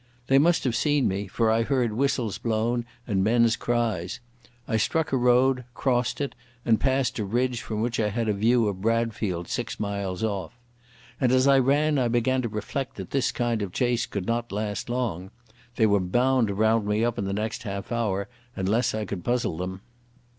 They must have seen me, for I heard whistles blown and men's cries. I struck a road, crossed it, and passed a ridge from which I had a view of Bradfield six miles off. And as I ran I began to reflect that this kind of chase could not last long. They were bound to round me up in the next half hour unless I could puzzle them.